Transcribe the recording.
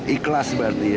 ikhlas berarti ya